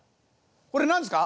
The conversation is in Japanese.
これ何ですか？」。